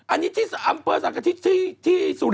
อันนี้ที่สังขะที่สุรินทร์